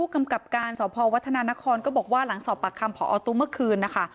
กำกับการสพวัฒนานครก็บอกว่าหลังสอบปากคำพอตู้เมื่อคืนนะคะ